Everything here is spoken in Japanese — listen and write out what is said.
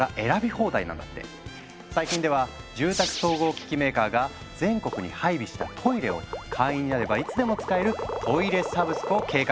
最近では住宅総合機器メーカーが全国に配備したトイレを会員になればいつでも使える「トイレサブスク」を計画中なんですって。